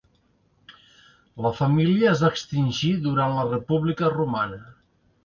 La família es va extingir durant la república romana.